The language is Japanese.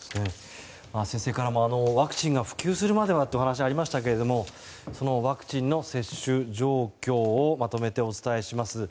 先生からもワクチンが普及するまではというお話がありましたけれどもそのワクチンの接種状況をまとめてお伝えします。